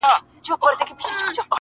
که تاجک دی، که اوزبک دی، یو افغان دی!!